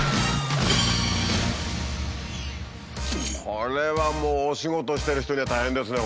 これはもうお仕事してる人には大変ですね